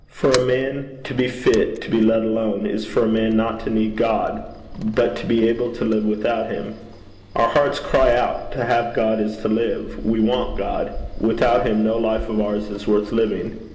For a man to be fit to be let alone, is for a man not to need God, but to be able to live without him. Our hearts cry out, 'To have God is to live. We want God. Without him no life of ours is worth living.